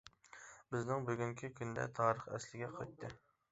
بىزنىڭ بۈگۈنكى كۈندە تارىخ ئەسلىگە قايتتى.